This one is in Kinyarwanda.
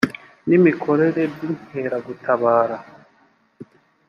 n imikorere by inkeragutabara